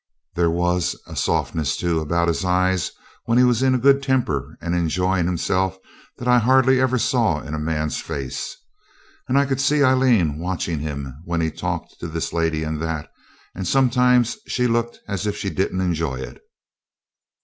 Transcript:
There was a softness, too, about his eyes when he was in a good temper and enjoying himself that I hardly ever saw in a man's face. I could see Aileen watching him when he talked to this lady and that, and sometimes she looked as if she didn't enjoy it.